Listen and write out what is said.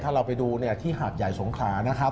ถ้าเราไปดูที่หาดใหญ่สงขลานะครับ